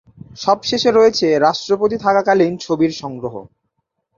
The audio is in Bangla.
সবশেষে রয়েছে রাষ্ট্রপতি থাকাকালীন ছবির সংগ্রহ।